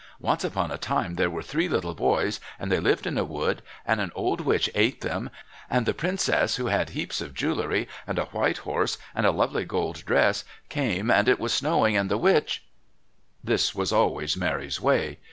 Once upon a time there were three little boys, and they lived in a wood, and an old witch ate them, and the Princess who had heaps of jewellery and a white horse and a lovely gold dress came, and it was snowing and the witch " This was always Mary's way.